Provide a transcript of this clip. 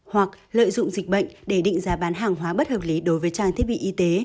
hoặc lợi dụng dịch bệnh để định giá bán hàng hóa bất hợp lý đối với trang thiết bị y tế